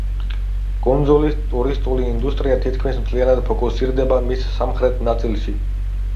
კუნძულის ტურისტული ინდუსტრია თითქმის მთლიანად ფოკუსირდება მის სამხრეთ ნაწილში.